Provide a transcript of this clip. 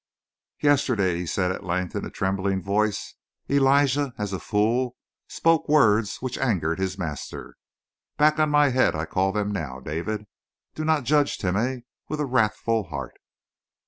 "Yesterday," he said at length in a trembling voice, "Elijah, as a fool, spoke words which angered his master. Back on my head I call them now. David, do not judge Timeh with a wrathful heart.